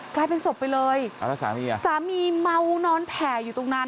กลายเป็นศพไปเลยสามีเมานอนแผ่อยู่ตรงนั้น